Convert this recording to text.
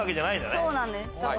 そうなんです。